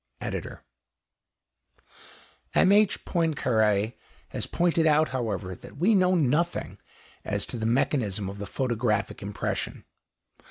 ED.] M.H. Poincaré has pointed out, however, that we know nothing as to the mechanism of the photographic impression.